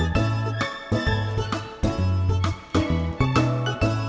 satu sendok garam